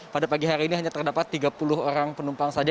pada pagi hari ini hanya terdapat tiga puluh orang penumpang saja